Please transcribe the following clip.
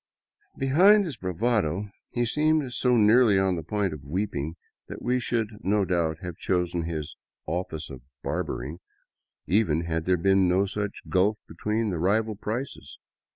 Behind his bravado he seemed so nearly on the point of weeping that we should no doubt have chosen his office of barbering," even had there been no such gulf between the rival prices.